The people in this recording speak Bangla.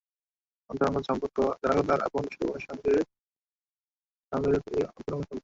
জানা গেল, তাঁর আপন ছোট বোনের সঙ্গে স্বামীর অতি অন্তরঙ্গ সম্পর্ক।